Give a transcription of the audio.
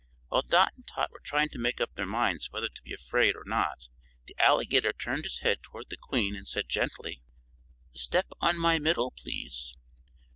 While Dot and Tot were trying to make up their minds whether to be afraid or not, the Alligator turned his head toward the Queen and said, gently: "Step on my middle, please!"